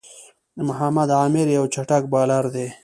محمد عامِر یو چټک بالر دئ.